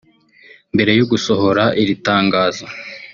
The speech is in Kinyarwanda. Mbere yo gusohora iri tangazo